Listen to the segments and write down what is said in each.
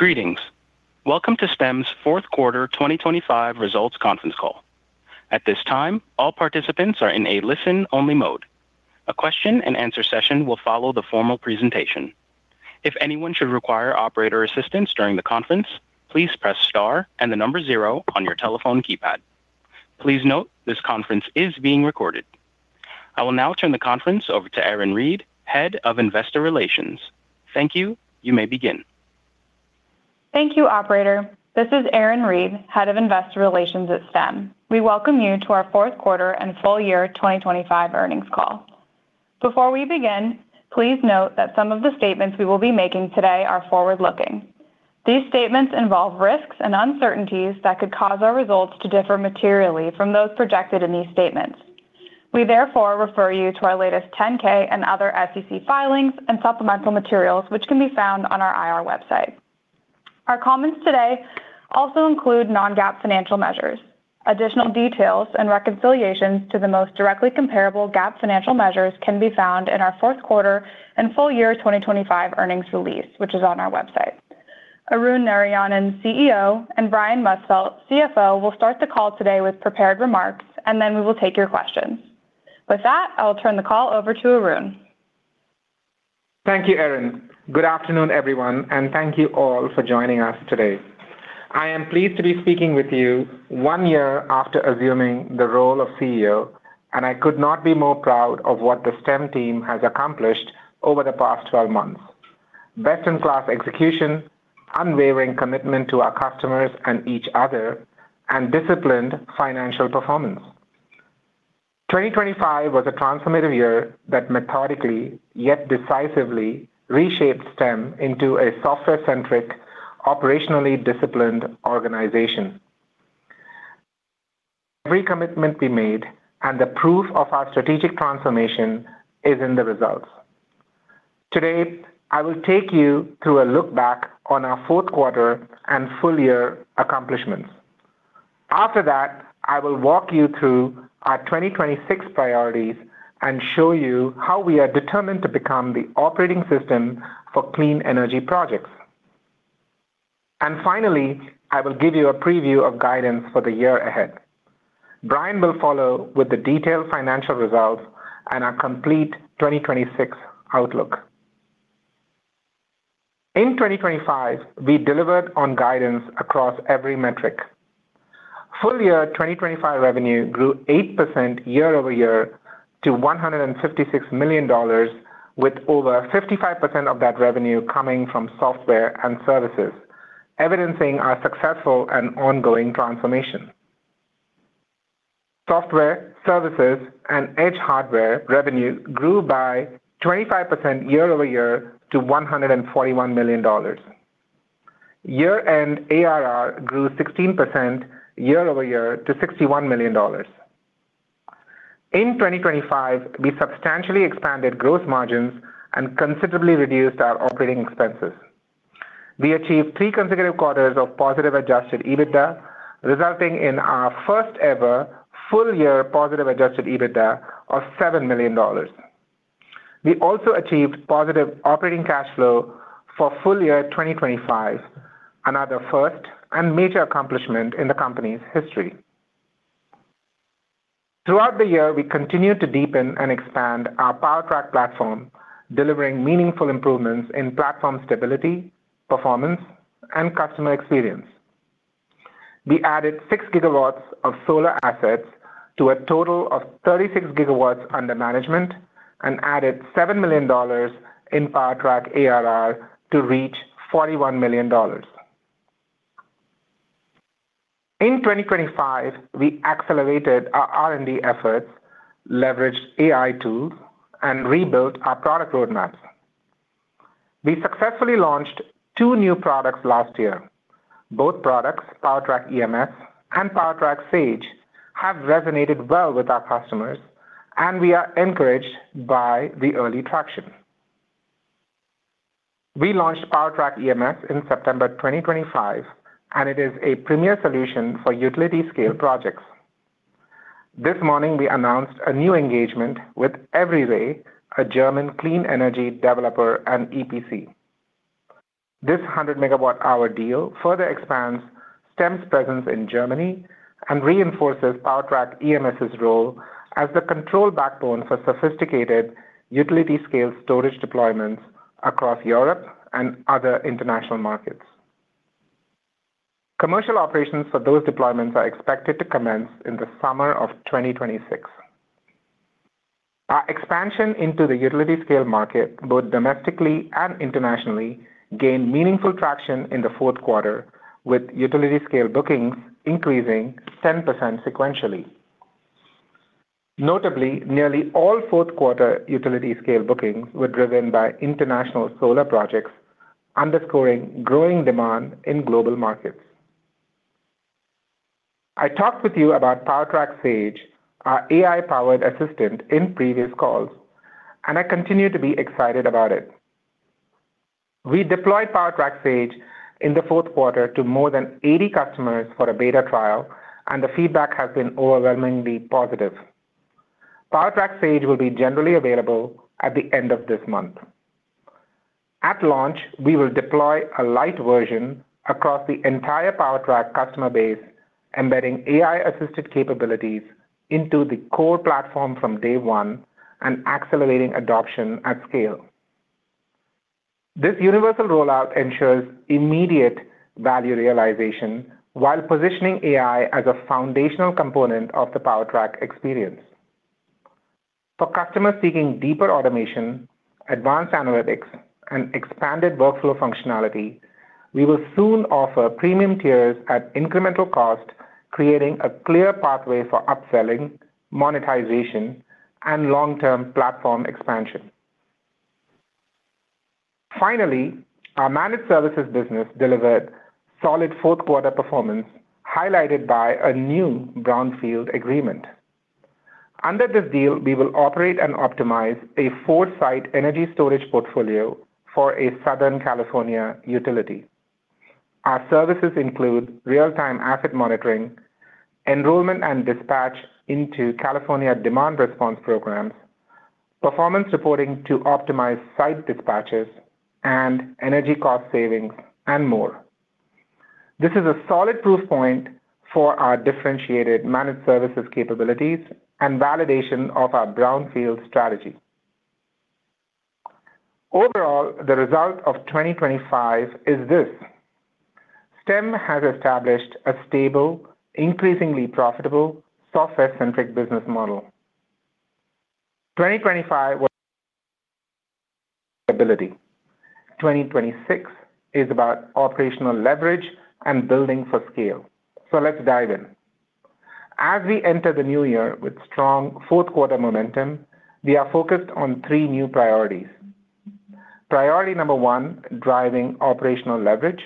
Greetings. Welcome to Stem's Fourth Quarter 2025 Results Conference Call. At this time, all participants are in a listen-only mode. A question-and-answer session will follow the formal presentation. If anyone should require operator assistance during the conference, please press star and the number zero on your telephone keypad. Please note this conference is being recorded. I will now turn the conference over to Erin Reed, Head of Investor Relations. Thank you. You may begin. Thank you, operator. This is Erin Reed, Head of Investor Relations at Stem. We welcome you to our fourth quarter and full year 2025 earnings call. Before we begin, please note that some of the statements we will be making today are forward-looking. These statements involve risks and uncertainties that could cause our results to differ materially from those projected in these statements. We therefore refer you to our latest 10-K and other SEC filings and supplemental materials, which can be found on our IR website. Our comments today also include non-GAAP financial measures. Additional details and reconciliations to the most directly comparable GAAP financial measures can be found in our fourth quarter and full year 2025 earnings release, which is on our website. Arun Narayanan, CEO, and Brian Musfeldt, CFO, will start the call today with prepared remarks, and then we will take your questions. With that, I will turn the call over to Arun. Thank you, Ted. Good afternoon, everyone, and thank you all for joining us today. I am pleased to be speaking with you one year after assuming the role of CEO, and I could not be more proud of what the Stem team has accomplished over the past 12 months. Best-in-class execution, unwavering commitment to our customers and each other, and disciplined financial performance. 2025 was a transformative year that methodically, yet decisively reshaped Stem into a software-centric, operationally disciplined organization. Every commitment we made, and the proof of our strategic transformation is in the results. Today, I will take you through a look back on our fourth quarter and full year accomplishments. After that, I will walk you through our 2026 priorities and show you how we are determined to become the operating system for clean energy projects. Finally, I will give you a preview of guidance for the year ahead. Brian will follow with the detailed financial results and our complete 2026 outlook. In 2025, we delivered on guidance across every metric. Full year 2025 revenue grew 8% year-over-year to $156 million, with over 55% of that revenue coming from software and services, evidencing our successful and ongoing transformation. Software, services, and Edge hardware revenue grew by 25% year-over-year to $141 million. Year-end ARR grew 16% year-over-year to $61 million. In 2025, we substantially expanded gross margins and considerably reduced our operating expenses. We achieved three consecutive quarters of positive adjusted EBITDA, resulting in our first ever full year positive adjusted EBITDA of $7 million. We also achieved positive operating cash flow for full year 2025, another first and major accomplishment in the company's history. Throughout the year, we continued to deepen and expand our PowerTrack platform, delivering meaningful improvements in platform stability, performance, and customer experience. We added 6GW of solar assets to a total of 36GW under management and added $7 million in PowerTrack ARR to reach $41 million. In 2025, we accelerated our R&D efforts, leveraged AI tools, and rebuilt our product roadmap. We successfully launched two new products last year. Both products, PowerTrack EMS and PowerTrack Sage, have resonated well with our customers. We are encouraged by the early traction. We launched PowerTrack EMS in September 2025. It is a premier solution for utility scale projects. This morning we announced a new engagement with Everyray, a German clean energy developer and EPC. This 100MW hour deal further expands Stem's presence in Germany and reinforces PowerTrack EMS' role as the control backbone for sophisticated utility scale storage deployments across Europe and other international markets. Commercial operations for those deployments are expected to commence in the summer of 2026. Our expansion into the utility scale market, both domestically and internationally, gained meaningful traction in the fourth quarter, with utility scale bookings increasing 10% sequentially. Notably, nearly all fourth quarter utility scale bookings were driven by international solar projects, underscoring growing demand in global markets. I talked with you about PowerTrack Sage, our AI-powered assistant, in previous calls, and I continue to be excited about it. We deployed PowerTrack Sage in the fourth quarter to more than 80 customers for a beta trial, and the feedback has been overwhelmingly positive. PowerTrack Sage will be generally available at the end of this month. At launch, we will deploy a light version across the entire PowerTrack customer base, embedding AI-assisted capabilities into the core platform from day one and accelerating adoption at scale. This universal rollout ensures immediate value realization while positioning AI as a foundational component of the PowerTrack experience. For customers seeking deeper automation, advanced analytics, and expanded workflow functionality, we will soon offer premium tiers at incremental cost, creating a clear pathway for upselling, monetization, and long-term platform expansion. Finally, our managed services business delivered solid fourth-quarter performance, highlighted by a new brownfield agreement. Under this deal, we will operate and optimize a four-site energy storage portfolio for a Southern California utility. Our services include real-time asset monitoring, enrollment and dispatch into California demand response programs, performance reporting to optimize site dispatches and energy cost savings, and more. This is a solid proof point for our differentiated managed services capabilities and validation of our brownfield strategy. The result of 2025 is this. Stem has established a stable, increasingly profitable software-centric business model. 2025 was stability. 2026 is about operational leverage and building for scale. Let's dive in. As we enter the new year with strong fourth quarter momentum, we are focused on three new priorities. Priority number one, driving operational leverage.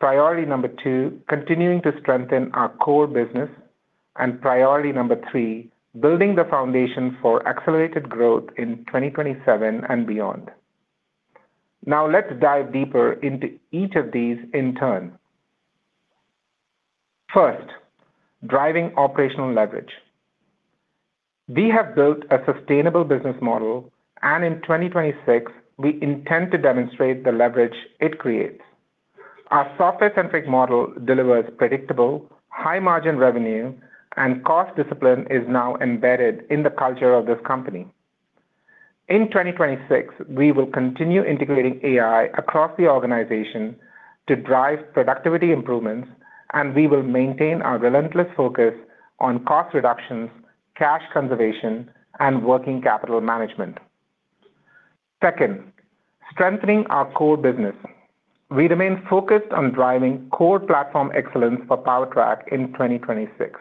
Priority number two, continuing to strengthen our core business. Priority number three, building the foundation for accelerated growth in 2027 and beyond. Let's dive deeper into each of these in turn. First, driving operational leverage. We have built a sustainable business model, and in 2026, we intend to demonstrate the leverage it creates. Our software-centric model delivers predictable, high-margin revenue, and cost discipline is now embedded in the culture of this company. In 2026, we will continue integrating AI across the organization to drive productivity improvements, and we will maintain our relentless focus on cost reductions, cash conservation, and working capital management. Second, strengthening our core business. We remain focused on driving core platform excellence for PowerTrack in 2026.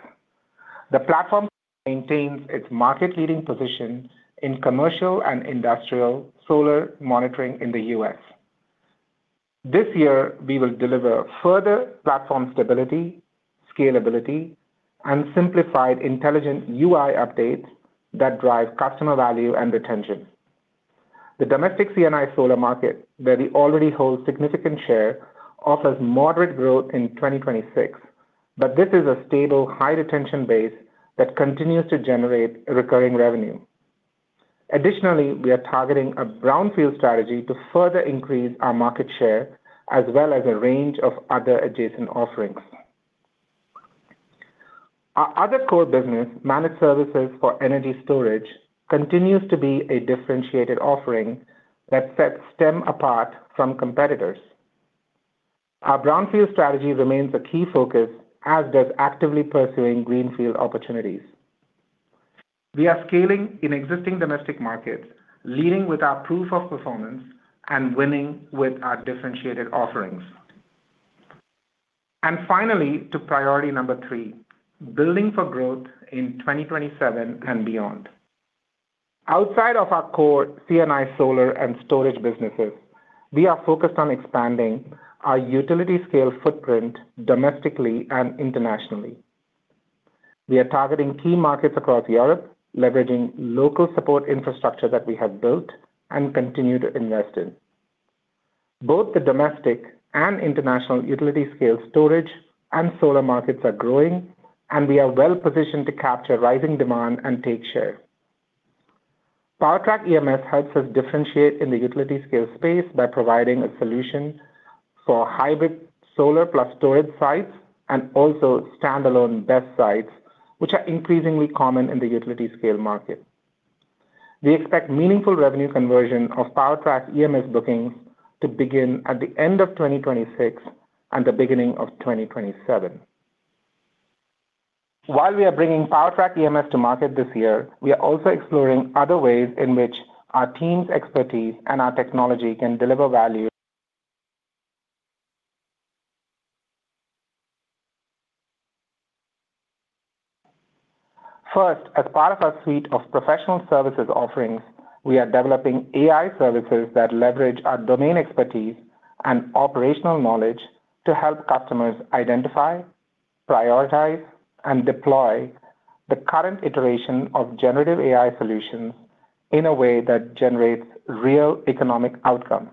The platform maintains its market-leading position in commercial and industrial solar monitoring in the US. This year, we will deliver further platform stability, scalability, and simplified intelligent UI updates that drive customer value and retention. The domestic C&I solar market, where we already hold significant share, offers moderate growth in 2026, but this is a stable, high-retention base that continues to generate recurring revenue. Additionally, we are targeting a brownfield strategy to further increase our market share as well as a range of other adjacent offerings. Our other core business, managed services for energy storage, continues to be a differentiated offering that sets Stem apart from competitors. Our brownfield strategy remains a key focus as does actively pursuing greenfield opportunities. We are scaling in existing domestic markets, leading with our proof of performance and winning with our differentiated offerings. Finally, to priority number three, building for growth in 2027 and beyond. Outside of our core C&I solar and storage businesses, we are focused on expanding our utility-scale footprint domestically and internationally. We are targeting key markets across Europe, leveraging local support infrastructure that we have built and continue to invest in. Both the domestic and international utility scale storage and solar markets are growing, and we are well-positioned to capture rising demand and take share. PowerTrack EMS helps us differentiate in the utility scale space by providing a solution for hybrid solar plus storage sites and also standalone BESS sites, which are increasingly common in the utility scale market. We expect meaningful revenue conversion of PowerTrack EMS bookings to begin at the end of 2026 and the beginning of 2027. While we are bringing PowerTrack EMS to market this year, we are also exploring other ways in which our team's expertise and our technology can deliver value. First, as part of our suite of professional services offerings, we are developing AI services that leverage our domain expertise and operational knowledge to help customers identify, prioritize, and deploy the current iteration of generative AI solutions in a way that generates real economic outcomes.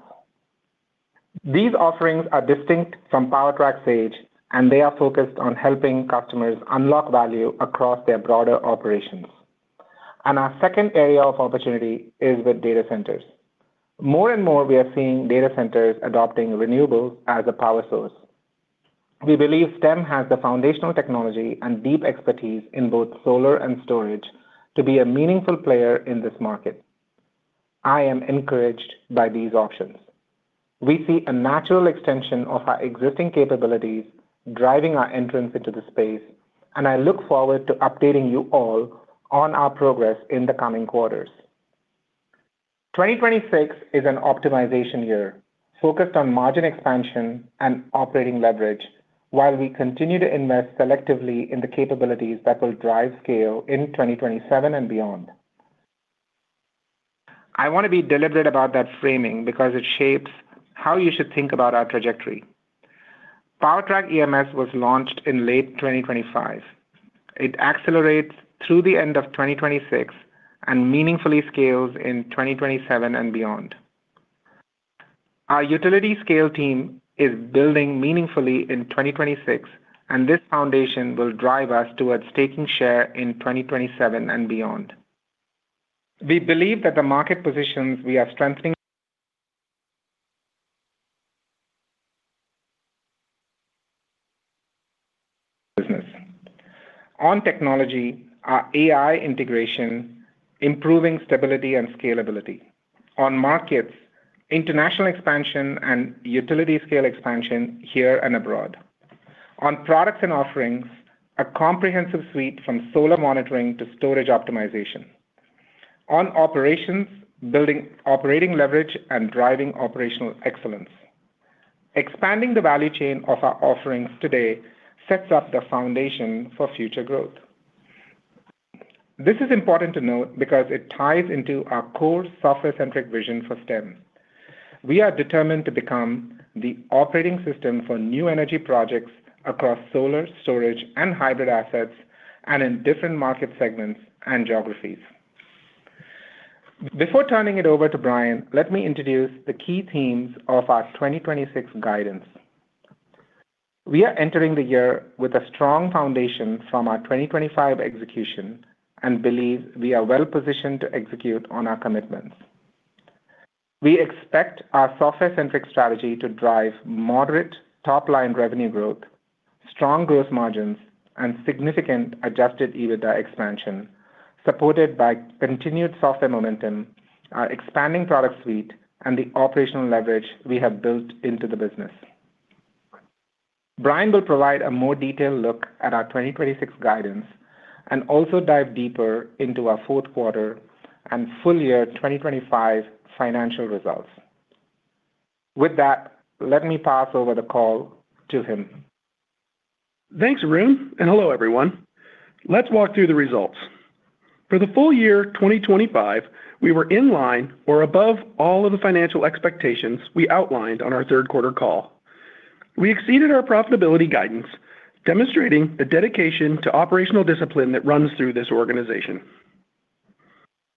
These offerings are distinct from PowerTrack Sage, and they are focused on helping customers unlock value across their broader operations. Our second area of opportunity is with data centers. More and more, we are seeing data centers adopting renewables as a power source. We believe Stem has the foundational technology and deep expertise in both solar and storage to be a meaningful player in this market. I am encouraged by these options. We see a natural extension of our existing capabilities driving our entrance into the space, and I look forward to updating you all on our progress in the coming quarters. 2026 is an optimization year focused on margin expansion and operating leverage while we continue to invest selectively in the capabilities that will drive scale in 2027 and beyond. I want to be deliberate about that framing because it shapes how you should think about our trajectory. PowerTrack EMS was launched in late 2025. It accelerates through the end of 2026 and meaningfully scales in 2027 and beyond. Our utility scale team is building meaningfully in 2026, this foundation will drive us towards staking share in 2027 and beyond. We believe that the market positions we are strengthening business. On technology, our AI integration, improving stability and scalability. On markets, international expansion and utility scale expansion here and abroad. On products and offerings, a comprehensive suite from solar monitoring to storage optimization. On operations, building operating leverage and driving operational excellence. Expanding the value chain of our offerings today sets up the foundation for future growth. This is important to note because it ties into our core software-centric vision for Stem. We are determined to become the operating system for new energy projects across solar, storage and hybrid assets and in different market segments and geographies. Before turning it over to Brian, let me introduce the key themes of our 2026 guidance. We are entering the year with a strong foundation from our 2025 execution and believe we are well-positioned to execute on our commitments. We expect our software-centric strategy to drive moderate top line revenue growth, strong gross margins and significant adjusted EBITDA expansion, supported by continued software momentum, our expanding product suite and the operational leverage we have built into the business. Brian will provide a more detailed look at our 2026 guidance and also dive deeper into our fourth quarter and full year 2025 financial results. With that, let me pass over the call to him. Thanks, Arun, and hello, everyone. Let's walk through the results. For the full year 2025, we were in line or above all of the financial expectations we outlined on our third quarter call. We exceeded our profitability guidance, demonstrating the dedication to operational discipline that runs through this organization.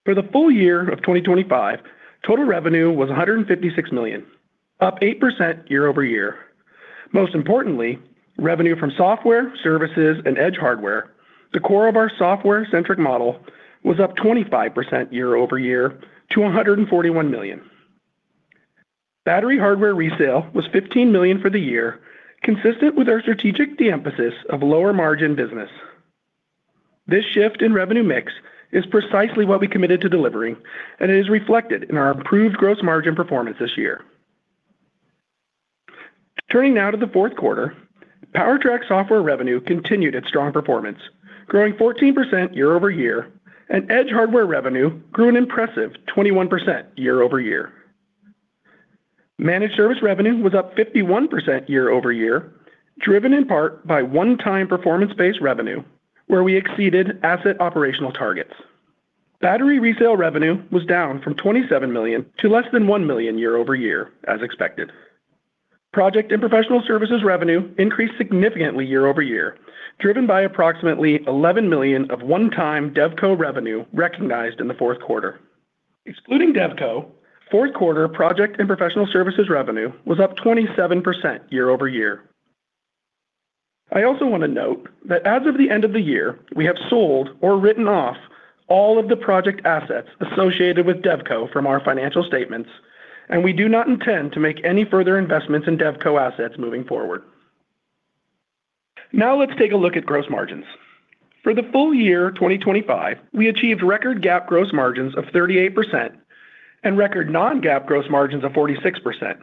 For the full year of 2025, total revenue was $156 million, up 8% year-over-year. Most importantly, revenue from software, services and Edge hardware, the core of our software-centric model was up 25% year-over-year to $141 million. Battery hardware resale was $15 million for the year, consistent with our strategic de-emphasis of lower margin business. This shift in revenue mix is precisely what we committed to delivering, and it is reflected in our improved gross margin performance this year. Turning now to the fourth quarter, PowerTrack software revenue continued its strong performance, growing 14% year over year. Edge hardware revenue grew an impressive 21% year over year. Managed service revenue was up 51% year over year, driven in part by one-time performance based revenue where we exceeded asset operational targets. Battery resale revenue was down from $27 million to less than $1 million year over year, as expected. Project and professional services revenue increased significantly year over year, driven by approximately $11 million of one-time DevCo revenue recognized in the fourth quarter. Excluding DevCo, fourth quarter project and professional services revenue was up 27% year over year. I also want to note that as of the end of the year, we have sold or written off all of the project assets associated with DevCo from our financial statements, and we do not intend to make any further investments in DevCo assets moving forward. Let's take a look at gross margins. For the full year 2025, we achieved record GAAP gross margins of 38% and record non-GAAP gross margins of 46%,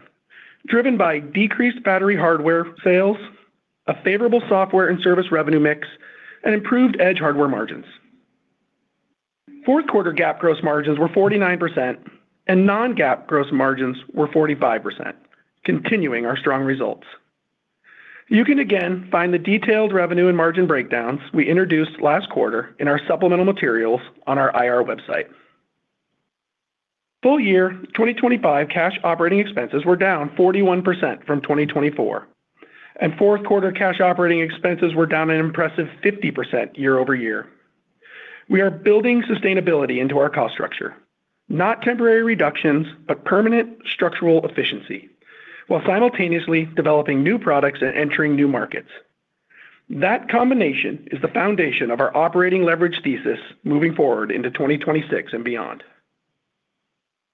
driven by decreased battery hardware sales, a favorable software and service revenue mix, and improved Edge hardware margins. Fourth quarter GAAP gross margins were 49% and non-GAAP gross margins were 45%, continuing our strong results. You can again find the detailed revenue and margin breakdowns we introduced last quarter in our supplemental materials on our IR website. Full year 2025 cash operating expenses were down 41% from 2024, and fourth quarter cash operating expenses were down an impressive 50% year-over-year. We are building sustainability into our cost structure not temporary reductions, but permanent structural efficiency while simultaneously developing new products and entering new markets. That combination is the foundation of our operating leverage thesis moving forward into 2026 and beyond.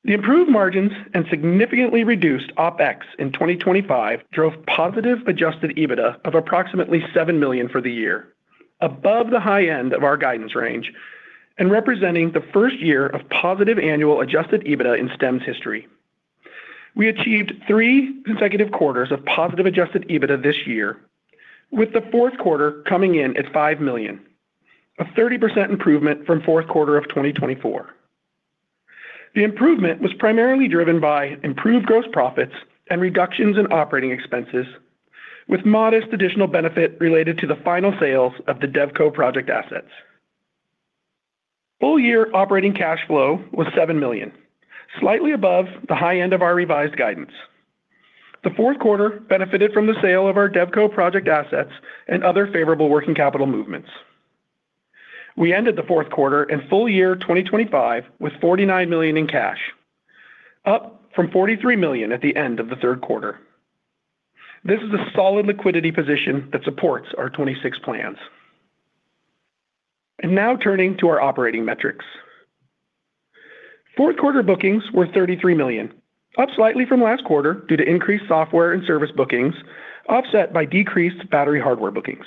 The improved margins and significantly reduced OpEx in 2025 drove positive adjusted EBITDA of approximately $7 million for the year, above the high end of our guidance range and representing the first year of positive annual adjusted EBITDA in Stem's history. We achieved three consecutive quarters of positive adjusted EBITDA this year, with the fourth quarter coming in at $5 million, a 30% improvement from fourth quarter of 2024. The improvement was primarily driven by improved gross profits and reductions in OpEx, with modest additional benefit related to the final sales of the DevCo project assets. Full year operating cash flow was $7 million, slightly above the high end of our revised guidance. The fourth quarter benefited from the sale of our DevCo project assets and other favorable working capital movements. We ended the fourth quarter in full year 2025 with $49 million in cash, up from $43 million at the end of the third quarter. This is a solid liquidity position that supports our 2026 plans. Now turning to our operating metrics. Fourth quarter bookings were $33 million, up slightly from last quarter due to increased software and service bookings, offset by decreased battery hardware bookings.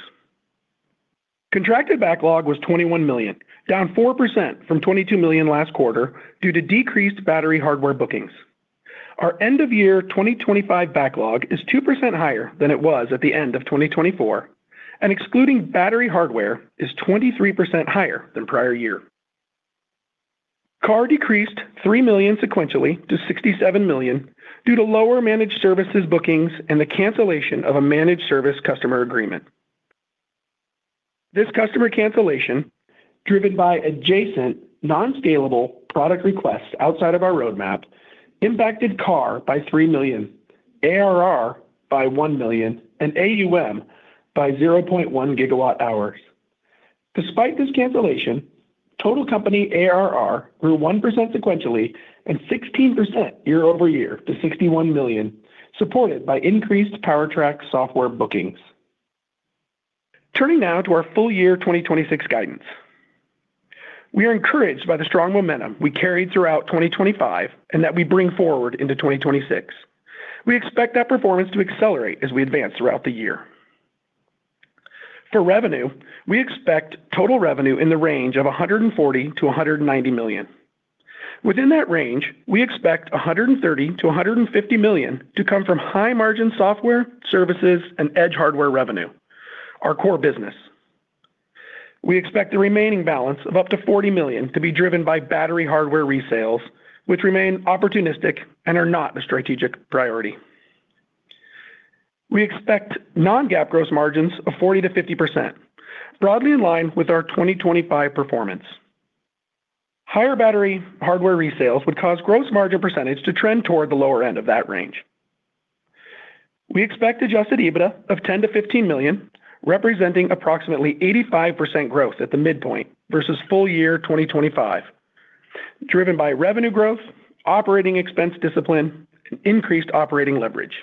Contracted backlog was $21 million, down 4% from $22 million last quarter due to decreased battery hardware bookings. Our end of year 2025 backlog is 2% higher than it was at the end of 2024. Excluding battery hardware is 23% higher than prior year. CAR decreased $3 million sequentially to $67 million due to lower managed services bookings and the cancellation of a managed service customer agreement. This customer cancellation, driven by adjacent non-scalable product requests outside of our roadmap, impacted CAR by $3 million, ARR by $1 million, and AUM by 0.1GW hours. Despite this cancellation, total company ARR grew 1% sequentially and 16% year-over-year to $61 million, supported by increased PowerTrack software bookings. Turning now to our full year 2026 guidance. We are encouraged by the strong momentum we carried throughout 2025 and that we bring forward into 2026. We expect that performance to accelerate as we advance throughout the year. For revenue, we expect total revenue in the range of $140 to 190 million. Within that range, we expect $130 to 150 million to come from high margin software services and Edge hardware revenue, our core business. We expect the remaining balance of up to $40 million to be driven by battery hardware resales, which remain opportunistic and are not a strategic priority. We expect non-GAAP gross margins of 40% to 50%, broadly in line with our 2025 performance. Higher battery hardware resales would cause gross margin % to trend toward the lower end of that range. We expect adjusted EBITDA of $10 to 15 million, representing approximately 85% growth at the midpoint versus full year 2025, driven by revenue growth, operating expense discipline and increased operating leverage.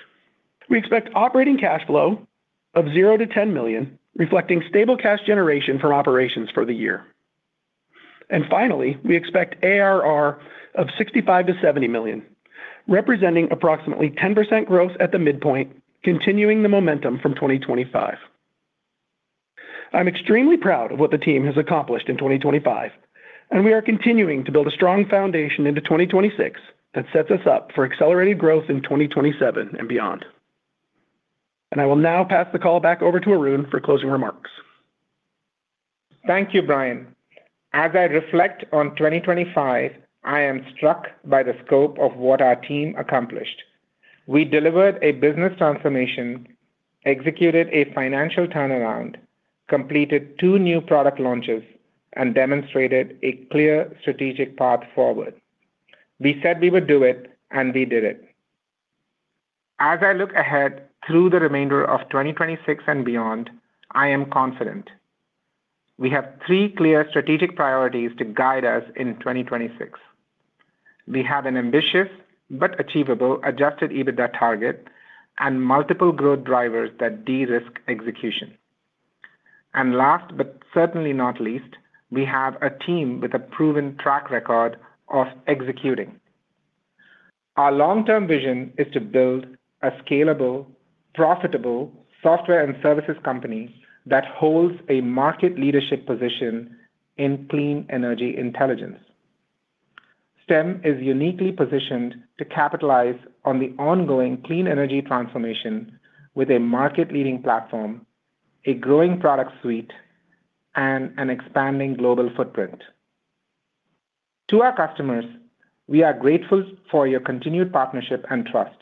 We expect operating cash flow of $0 to 10 million, reflecting stable cash generation from operations for the year. Finally, we expect ARR of $65 to 70 million, representing approximately 10% growth at the midpoint, continuing the momentum from 2025. I'm extremely proud of what the team has accomplished in 2025, we are continuing to build a strong foundation into 2026 that sets us up for accelerated growth in 2027 and beyond. I will now pass the call back over to Arun for closing remarks. Thank you, Brian. As I reflect on 2025, I am struck by the scope of what our team accomplished. We delivered a business transformation, executed a financial turnaround, completed two new product launches, and demonstrated a clear strategic path forward. We said we would do it, and we did it. As I look ahead through the remainder of 2026 and beyond, I am confident. We have three clear strategic priorities to guide us in 2026. We have an ambitious but achievable adjusted EBITDA target and multiple growth drivers that de-risk execution. Last but certainly not least, we have a team with a proven track record of executing. Our long-term vision is to build a scalable, profitable software and services company that holds a market leadership position in clean energy intelligence. Stem is uniquely positioned to capitalize on the ongoing clean energy transformation with a market-leading platform, a growing product suite, and an expanding global footprint. To our customers, we are grateful for your continued partnership and trust.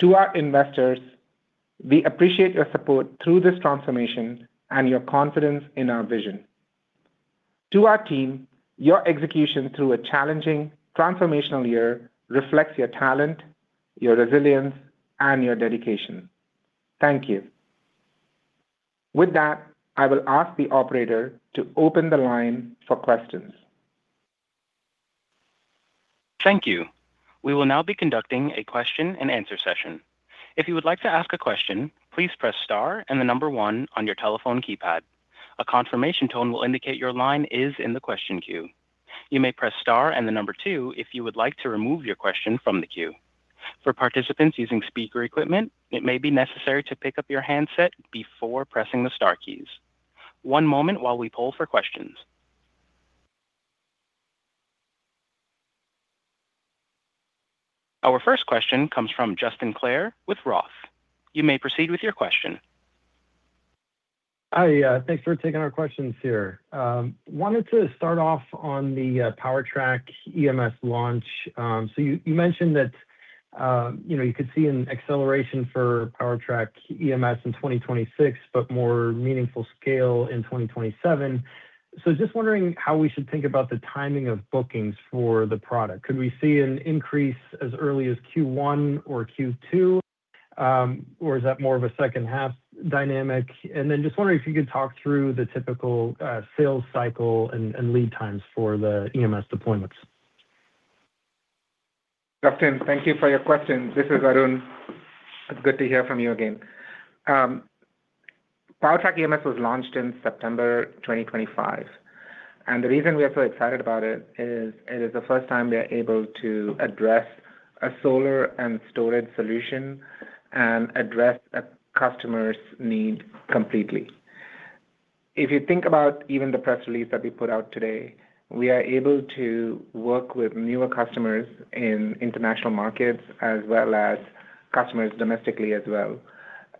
To our investors, we appreciate your support through this transformation and your confidence in our vision. To our team, your execution through a challenging transformational year reflects your talent, your resilience, and your dedication. Thank you. With that, I will ask the operator to open the line for questions. Thank you. We will now be conducting a question and answer session. If you would like to ask a question, please press star and the number one on your telephone keypad. A confirmation tone will indicate your line is in the question queue. You may press star and the number two if you would like to remove your question from the queue. For participants using speaker equipment, it may be necessary to pick up your handset before pressing the star keys. One moment while we poll for questions. Our first question comes from Justin Clare with Roth. You may proceed with your question. Hi. Thanks for taking our questions here. Wanted to start off on the PowerTrack EMS launch. You, you mentioned that, you know, you could see an acceleration for PowerTrack EMS in 2026, but more meaningful scale in 2027. Just wondering how we should think about the timing of bookings for the product. Could we see an increase as early as first quarter or second quarter, or is that more of a second half dynamic? Just wondering if you could talk through the typical sales cycle and lead times for the EMS deployments. Justin, thank you for your question. This is Arun. It's good to hear from you again. PowerTrack EMS was launched in September 2025, and the reason we are so excited about it is it is the first time we are able to address a solar and storage solution and address a customer's need completely. If you think about even the press release that we put out today, we are able to work with newer customers in international markets as well as customers domestically as well.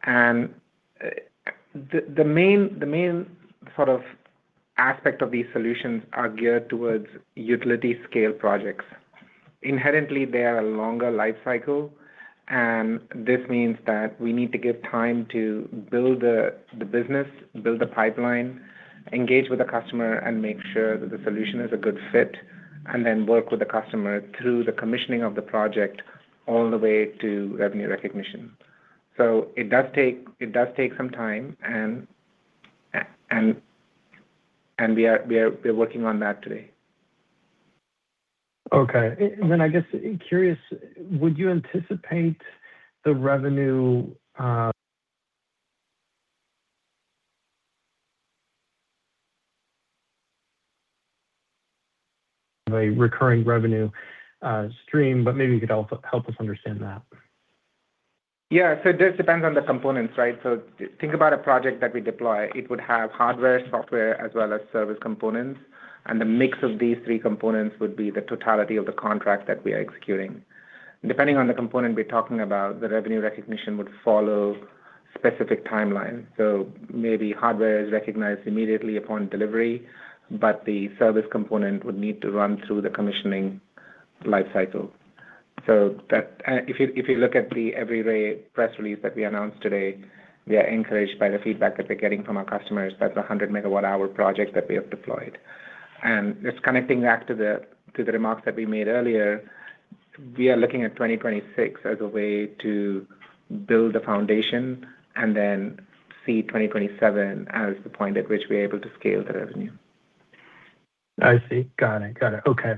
The main sort of aspect of these solutions are geared towards utility-scale projects. Inherently, they are a longer life cycle, and this means that we need to give time to build the business, build the pipeline, engage with the customer, and make sure that the solution is a good fit, and then work with the customer through the commissioning of the project all the way to revenue recognition. It does take some time, and we are working on that today. Okay. I guess curious, would you anticipate the revenue, a recurring revenue stream? Maybe you could help us understand that. This depends on the components, right? Think about a project that we deploy, it would have hardware, software, as well as service components, and the mix of these three components would be the totality of the contract that we are executing. Depending on the component we're talking about, the revenue recognition would follow specific timelines. Maybe hardware is recognized immediately upon delivery, but the service component would need to run through the commissioning life cycle. That, if you look at the Everyray press release that we announced today, we are encouraged by the feedback that we're getting from our customers. That's a 100M hour project that we have deployed. Just connecting back to the, to the remarks that we made earlier, we are looking at 2026 as a way to build the foundation and then see 2027 as the point at which we're able to scale the revenue. I see. Got it. Okay.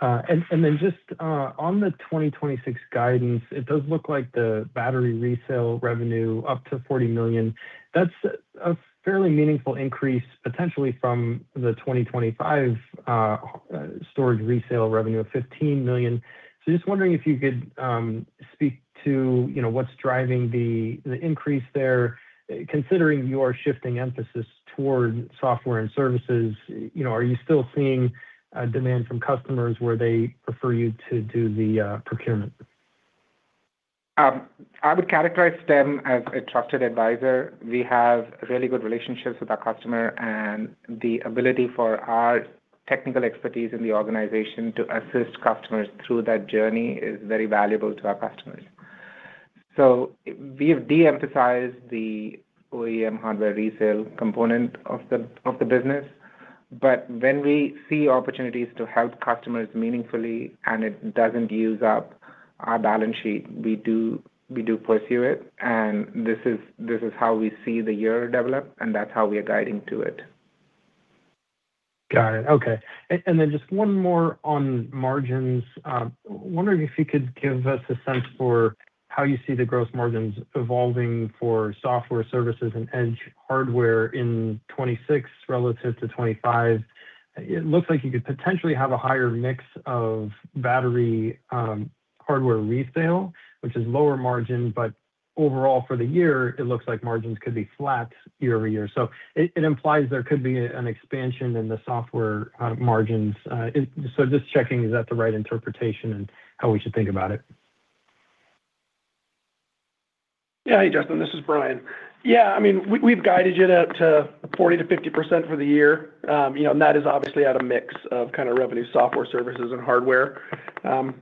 Then just on the 2026 guidance, it does look like the battery resale revenue up to $40 million. That's a fairly meaningful increase potentially from the 2025 storage resale revenue of $15 million. Just wondering if you could speak to, you know, what's driving the increase there, considering you are shifting emphasis toward software and services. You know, are you still seeing demand from customers where they prefer you to do the procurement? I would characterize them as a trusted advisor. We have really good relationships with our customer, and the ability for our technical expertise in the organization to assist customers through that journey is very valuable to our customers. We have de-emphasized the OEM hardware resale component of the business, but when we see opportunities to help customers meaningfully and it doesn't use up our balance sheet, we do pursue it and this is how we see the year develop, and that's how we are guiding to it. Got it. Okay. Then just one more on margins. Wondering if you could give us a sense for how you see the gross margins evolving for software services and Edge hardware in 2026 relative to 2025. It looks like you could potentially have a higher mix of battery, hardware resale, which is lower margin, but overall for the year it looks like margins could be flat year-over-year. It, it implies there could be an expansion in the software margins. Just checking, is that the right interpretation in how we should think about it? Yeah. Hey, Justin, this is Brian. Yeah, I mean, we've guided it out to 40% to 50% for the year. You know, that is obviously at a mix of kinda revenue software services and hardware.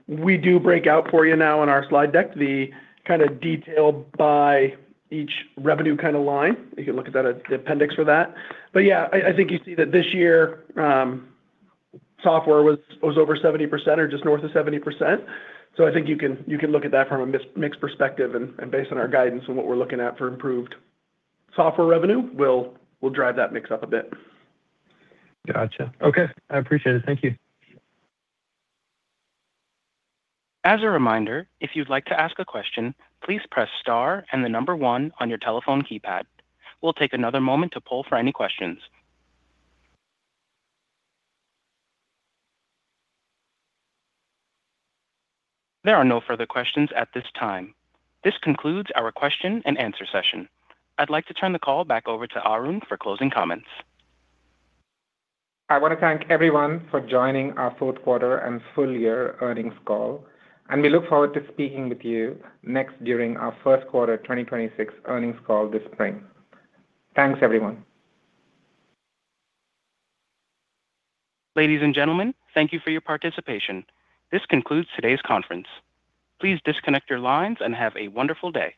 We do break out for you now in our slide deck the kinda detailed by each revenue kinda line. You can look at that as the appendix for that. Yeah, I think you see that this year, software was over 70% or just north of 70%. I think you can look at that from a mixed perspective and based on our guidance and what we're looking at for improved software revenue, we'll drive that mix up a bit. Gotcha. Okay, I appreciate it. Thank you. As a reminder, if you'd like to ask a question, please press star and the number one on your telephone keypad. We'll take another moment to poll for any questions. There are no further questions at this time. This concludes our question and answer session. I'd like to turn the call back over to Arun for closing comments. I wanna thank everyone for joining our fourth quarter and full year earnings call, and we look forward to speaking with you next during our first quarter 2026 earnings call this spring. Thanks, everyone. Ladies and gentlemen, thank you for your participation. This concludes today's conference. Please disconnect your lines and have a wonderful day.